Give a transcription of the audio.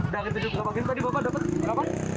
dari tujuh gerobak yang tadi bapak dapat berapa